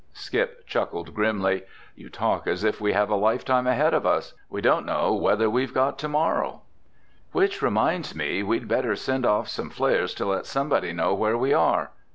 Skip chuckled grimly. "You talk as if we have a lifetime ahead of us. We don't know whether we've got tomorrow." "Which reminds me, we'd better send off some flares to let somebody know where we are."